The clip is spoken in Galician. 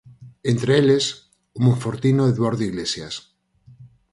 Entre eles, o monfortino Eduardo Iglesias.